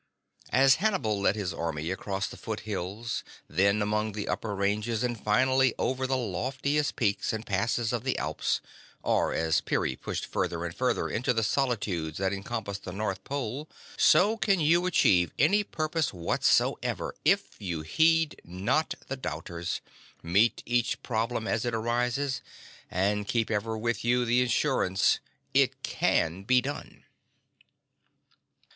As Hannibal led his army across the foothills, then among the upper ranges, and finally over the loftiest peaks and passes of the Alps, or as Peary pushed farther and farther into the solitudes that encompass the North Pole, so can you achieve any purpose whatsoever if you heed not the doubters, meet each problem as it arises, and keep ever with you the assurance It Can Be Done.